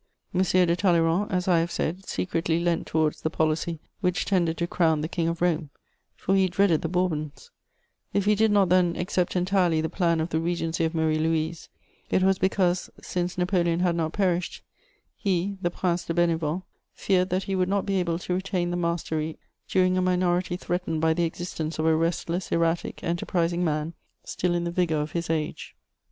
M. de Talleyrand, as I have said, secretly leant towards the policy which tended to crown the King of Rome, for he dreaded the Bourbons; if he did not then accept entirely the plan of the Regency of Marie Louise, it was because, since Napoleon had not perished, he, the Prince de Bénévent, feared that he would not be able to retain the mastery during a minority threatened by the existence of a restless, erratic, enterprising man, still in the vigour of his age. [Sidenote: _De Bonaparte et des Bourbons.